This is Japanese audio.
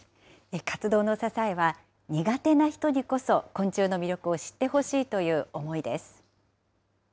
活動の支えは、苦手な人にこそ昆虫の魅力を知ってほしいという思いです。